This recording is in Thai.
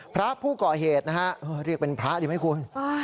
พระผู้ก่อเหตุนะฮะเรียกเป็นพระหรือไม่ควร